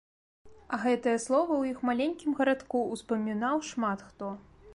А гэтае слова ў іх маленькім гарадку ўспамінаў шмат хто.